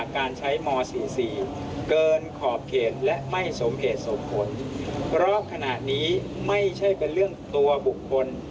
การใช้ม๔๔เกินขอบเขตและไม่สมเหตุสมผลเพราะขณะนี้ไม่ใช่เป็นเรื่องตัวบุคคล